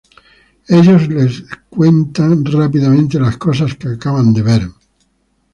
Ellos les cuentan rápidamente las cosas que acaban de ver.